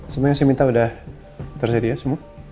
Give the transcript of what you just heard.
semua yang saya minta udah tersedia semua